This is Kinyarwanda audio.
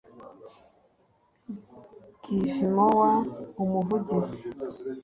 Givemore Umuvugizi